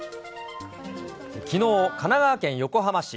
きのう、神奈川県横浜市。